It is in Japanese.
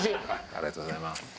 ありがとうございます。